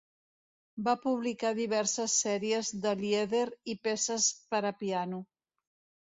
Va publicar diverses sèries de lieder i peces per a piano.